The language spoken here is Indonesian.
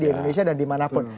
di indonesia dan dimanapun